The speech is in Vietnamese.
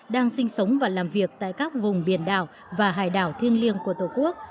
đang sinh sống và làm việc tại các vùng biển đảo và hải đảo thiêng liêng của tổ quốc